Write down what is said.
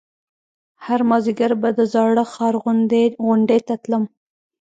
هر مازديگر به د زاړه ښار غونډۍ ته تلم.